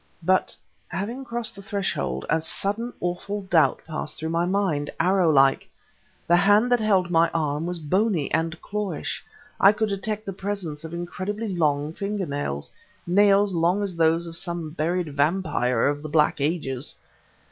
But, having crossed the threshold, a sudden awful doubt passed through my mind, arrow like. The hand that held my arm was bony and clawish; I could detect the presence of incredibly long finger nails nails long as those of some buried vampire of the black ages!